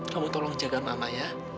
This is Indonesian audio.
kamu tolong jaga mama ya